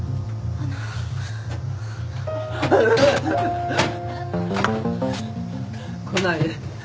あのう。来ないで。